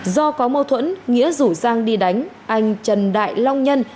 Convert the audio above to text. do có mâu thuẫn nghĩa rủ giang đi đánh anh trần đại long nhân